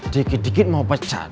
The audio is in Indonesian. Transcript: dikit dikit mau pecat